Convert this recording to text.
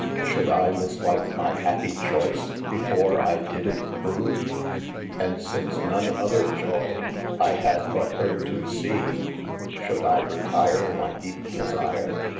Should I mislike my happie choice, before I did it prove? And since none other joye I had but her to see, S\lo\oulde I retire my deepe desire